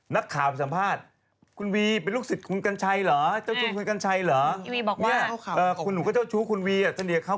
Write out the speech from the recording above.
ผู้จัดเป็นผู้จัดอยู่กับกีต้า